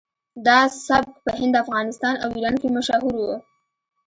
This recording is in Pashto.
دا سبک په هند افغانستان او ایران کې مشهور و